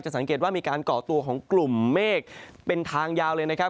สังเกตว่ามีการก่อตัวของกลุ่มเมฆเป็นทางยาวเลยนะครับ